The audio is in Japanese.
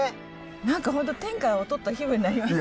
何か本当天下を取った気分になりますね。